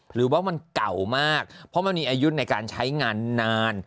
หรือว่ามันเก่ามากเพราะมันมีอายุในการใช้งานนาน